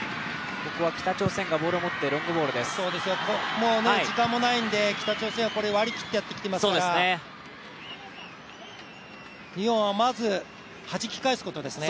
もう時間もないので、北朝鮮は割り切ってやってきていますから日本はまずはじき返すことですね。